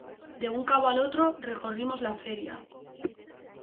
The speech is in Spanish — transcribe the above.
de un cabo al otro recorrimos la feria.